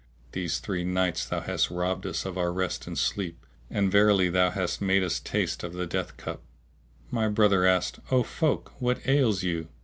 These three nights thou hast robbed us of our rest and sleep, and verily thou hast made us taste of the death cup." My brother asked, "O folk, what ails you?"